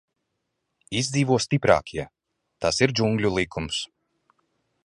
Izdzīvo stiprākie, tas ir džungļu likums.